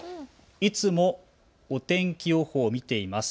いつもお天気予報見ています。